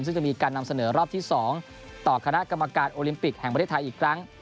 ซึ่งจะมีการนำเสนอรอบที่๒ต่อคณะกรรมการโอลิมปิกแห่งประเทศไทยอีกครั้ง